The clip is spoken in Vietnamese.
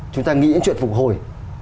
chúng ta nghĩ đến chuyện phục hồi